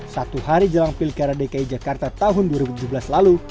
satu hari jelang pilkada dki jakarta tahun dua ribu tujuh belas lalu